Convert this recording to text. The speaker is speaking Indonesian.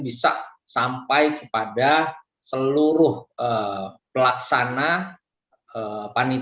bisa sampai kepada seluruh pelaksana panitia